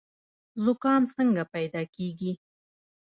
زکام څنګه پیدا کیږي؟